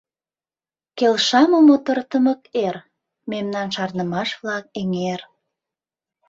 Келша мо мотор тымык эр, Мемнан шарнымаш-влак эҥер?